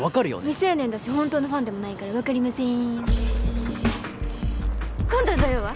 未成年だし本当のファンでもないから分かりません今度の土曜は？